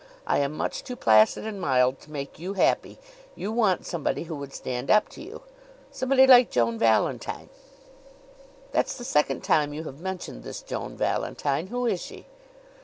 I am much too placid and mild to make you happy. You want somebody who would stand up to you somebody like Joan Valentine." "That's the second time you have mentioned this Joan Valentine. Who is she?"